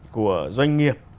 của doanh nghiệp